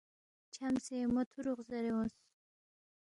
چھمسے مو تھُورو غزارے اونگس